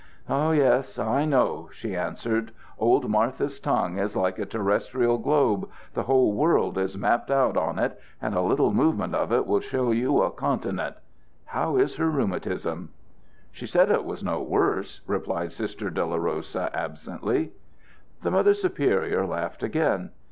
"Yes; I know," she answered. "Old Martha's tongue is like a terrestrial globe; the whole world is mapped out on it, and a little movement of it will show you a continent. How is her rheumatism?" "She said it was no worse," replied Sister Dolorosa, absently. The Mother Superior laughed again.